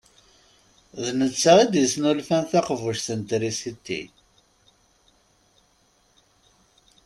D netta i d-yesnulfan taqbuct n trisit.